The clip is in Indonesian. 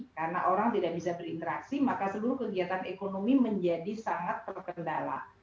karena orang tidak bisa berinteraksi maka seluruh kegiatan ekonomi menjadi sangat terkendala